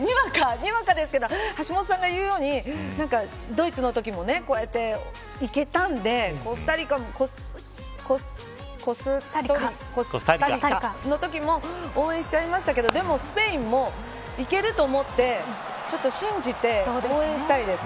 にわかですけど橋下さんが言うようにドイツのときも、こうやっていけたんでコスタリカのときも応援しちゃいましたけどでも、スペインもいけると思って信じて応援したいです。